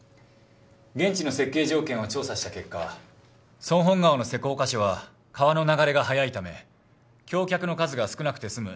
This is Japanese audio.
現地の設計条件を調査した結果ソンホン川の施工箇所は川の流れが速いため橋脚の数が少なくて済む